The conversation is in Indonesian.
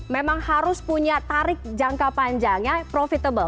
memang harus punya tarik jangka panjangnya profitable